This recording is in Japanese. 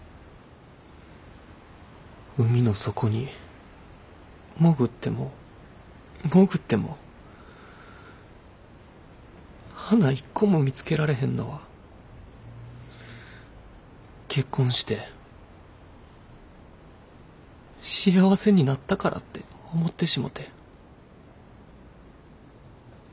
海の底に潜っても潜っても花一個も見つけられへんのは結婚して幸せになったからって思ってしもて。